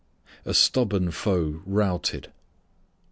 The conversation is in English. A Stubborn Foe Routed.